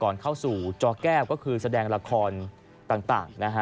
ก่อนเข้าสู่จอแก้วก็คือแสดงละครต่างนะฮะ